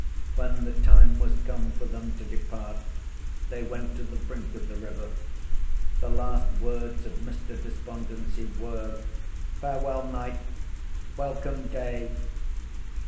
When the time was come for them to depart, they went to the brink of the river. The last words of Mr. Despondency were, Farewell, night; welcome, day.